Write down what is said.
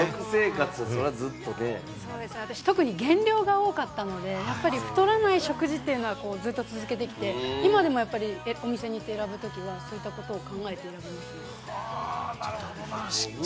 そうですね、私、特に減量が多かったんで、太らない食事というのはずっと続けてきて、今でもお店に行って選ぶときはそういうのを考えて選ぶようにしてます。